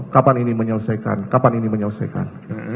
kapan ini menyelesaikan kapan ini menyelesaikan